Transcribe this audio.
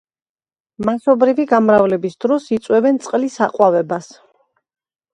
მასობრივი გამრავლების დროს იწვევენ წყლის „აყვავებას“.